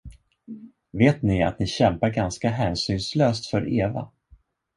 Vet ni att ni kämpar ganska hänsynslöst för Eva?